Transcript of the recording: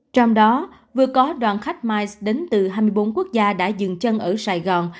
trong đó vừa có đoàn khách mice đến từ hai mươi bốn quốc gia đã dừng chân ở sài gòn